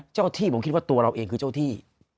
ที่ผมคิดว่าตัวเราเองคือเจ้าที่